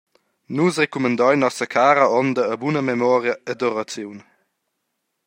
Nus recumandein nossa cara onda a buna memoria ed oraziun.